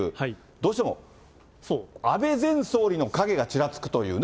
どうしても安倍前総理の影がちらつくというね。